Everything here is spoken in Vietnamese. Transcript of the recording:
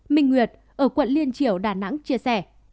minh nguyệt ở quận liên triểu đà nẵng chia sẻ